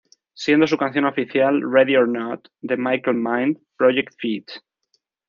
Siendo su canción oficial "Ready or Not" de Michael Mind Project Feat.